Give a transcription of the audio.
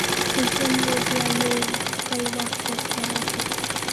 که ژوند و، بیا به یو بل وخت ورته راشو.